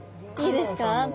いいですか？